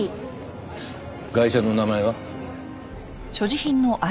ガイシャの名前は？